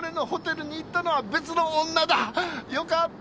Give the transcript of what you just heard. よかったな！